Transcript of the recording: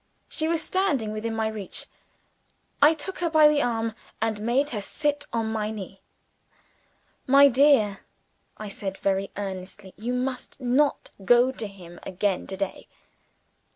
She was standing within my reach. I took her by the arm, and made her sit on my knee. "My dear!" I said, very earnestly, "you must not go to him again to day."